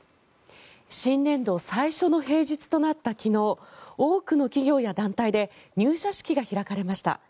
新年度最初の平日となった昨日多くの企業や団体で入社式が開かれました。